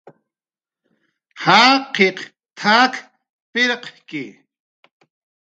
"Jaqiq t""ak pirqki"